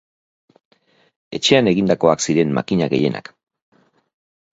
Etxean egindakoak ziren makina gehienak.